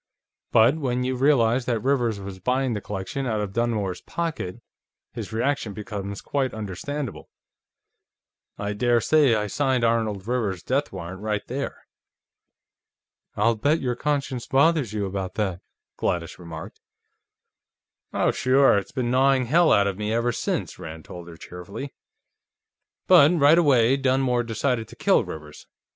But when you realize that Rivers was buying the collection out of Dunmore's pocket, his reaction becomes quite understandable. I daresay I signed Arnold Rivers's death warrant, right there." "I'll bet your conscience bothers you about that," Gladys remarked. "Oh, sure; it's been gnawing hell out of me, ever since," Rand told her cheerfully. "But, right away, Dunmore decided to kill Rivers.